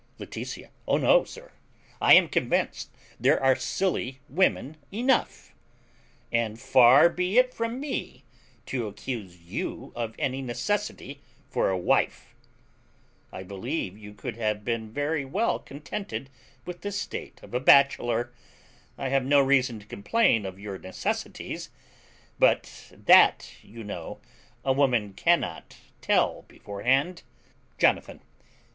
Laetitia. O no, sir; I am convinced there are silly women enough. And far be it from me to accuse you of any necessity for a wife. I believe you could have been very well contented with the state of a bachelor; I have no reason to complain of your necessities; but that, you know, a woman cannot tell beforehand. Jonathan.